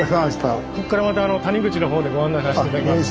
こっからまた谷口のほうでご案内させて頂きます。